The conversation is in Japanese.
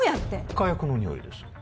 火薬のにおいです